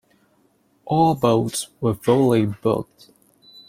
All boats were fully booked.